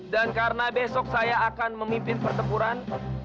dan karena besok saya akan memimpin pertempuran